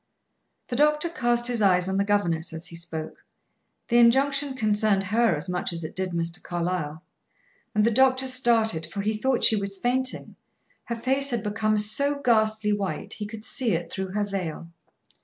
The doctor cast his eyes on the governess as he spoke; the injunction concerned her as much as it did Mr. Carlyle. And the doctor started, for he thought she was fainting; her face had become so ghastly white; he could see it through her veil.